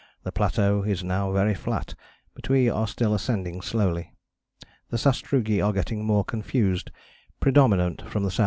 The plateau is now very flat, but we are still ascending slowly. The sastrugi are getting more confused, predominant from the S.E.